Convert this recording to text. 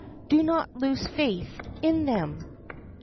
Do not lose faith in them."